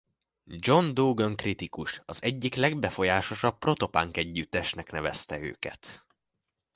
John Dougan kritikus az egyik legbefolyásosabb proto-punk együttesnek nevezte őket.